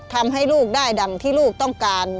ทำให้ลูกได้ดังที่ลูกต้องการ